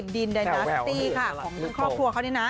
ดินไดนาสติ้ค่ะของทั้งครอบครัวเขาเนี่ยนะ